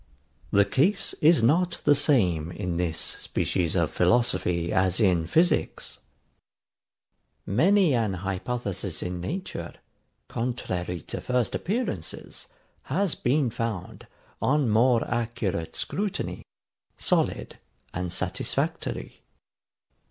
The case is not the same in this species of philosophy as in physics. Many an hypothesis in nature, contrary to first appearances, has been found, on more accurate scrutiny, solid and satisfactory.